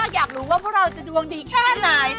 อยากรู้ว่าพวกเราจะดวงดีแค่ไหน